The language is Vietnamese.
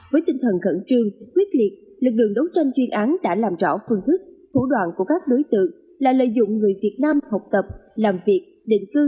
với tinh thần khẩn trương quyết liệt lực lượng đấu tranh chuyên án đã làm rõ phương thức thủ đoạn của các đối tượng là lợi dụng người việt nam học tập làm việc định cư